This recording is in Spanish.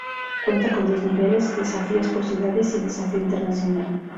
Cuenta con dos niveles: desafíos por ciudades y el desafío internacional.